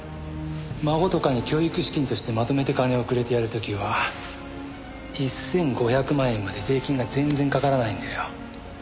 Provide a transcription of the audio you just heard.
孫とかに教育資金としてまとめて金をくれてやる時は１５００万円まで税金が全然かからないんだよ。